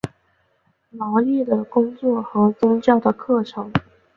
劳力的工作和宗教的课程。